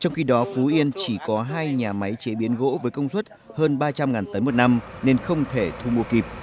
trong khi đó phú yên chỉ có hai nhà máy chế biến gỗ với công suất hơn ba trăm linh tấn một năm nên không thể thu mua kịp